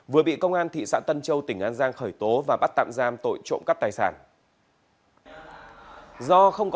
vừa bị công an thị xã tân châu tỉnh an giang khởi tố và bắt tạm giam tội trộm cắp tài sản